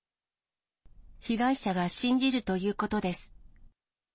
被害者が信じるということです。